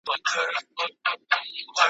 تل به تهمتونه د زندان زولنې نه ویني `